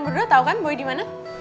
kalian berdua tau kan boy dimana